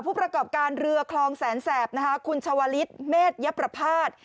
ผู้ประกอบการเรือคลองแสนแสบนะคะคุณชาวลิศเมษยประภาษณ์